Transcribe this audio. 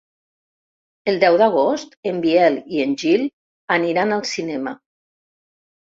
El deu d'agost en Biel i en Gil aniran al cinema.